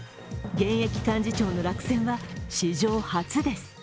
現役幹事長の落選は史上初です。